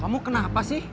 kamu kenapa sih